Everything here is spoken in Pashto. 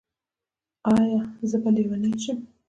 ایا زه به لیونۍ شم؟